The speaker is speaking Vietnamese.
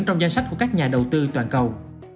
trong danh sách của các nhà đầu tư toàn cầu